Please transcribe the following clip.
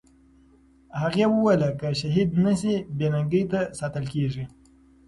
هغې وویل چې که شهید نه سي، بې ننګۍ ته ساتل کېږي.